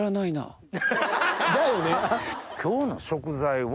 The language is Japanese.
今日の食材は。